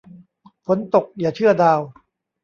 ฝนตกอย่าเชื่อดาว